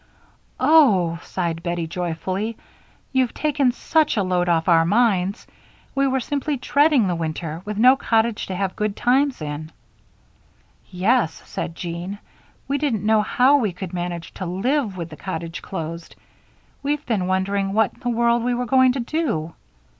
"Oh," sighed Bettie, joyfully, "you've taken such a load off our minds. We were simply dreading the winter, with no cottage to have good times in." "Yes," said Jean. "We didn't know how we could manage to live with the cottage closed. We've been wondering what in the world we were going to do."